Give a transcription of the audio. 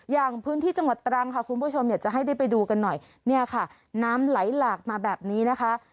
อย่างพื้นที่จังหวัดตรังค่ะคุณผู้ชมอยากจะให้ได้ไปดูกันหน่อยเนี่ยค่ะน้ำไหลหลากมาแบบนี้นะคะ